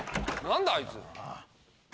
何だあいつ。